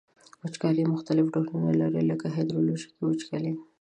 وچکالي مختلف ډولونه لري لکه هایدرولوژیکي وچکالي.